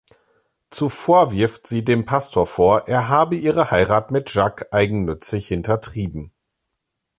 Zuvor wirft sie dem Pastor vor, er habe ihre Heirat mit Jacques eigennützig hintertrieben.